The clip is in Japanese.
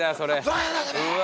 うわ。